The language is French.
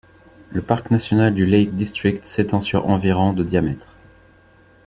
Le parc national du Lake District s'étend sur environ de diamètre.